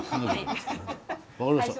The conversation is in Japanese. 分かりました